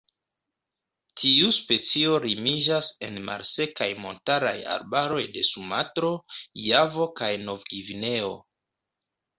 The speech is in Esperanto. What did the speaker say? Tiu specio limiĝas en malsekaj montaraj arbaroj de Sumatro, Javo kaj Novgvineo.